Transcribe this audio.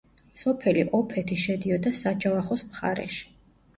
სოფელი ოფეთი შედიოდა საჯავახოს მხარეში.